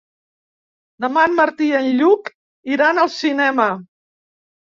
Demà en Martí i en Lluc iran al cinema.